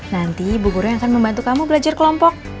nanti ibu guru yang akan membantu kamu belajar kelompok